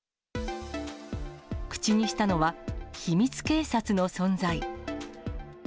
口にしたのは、秘密警察の存在。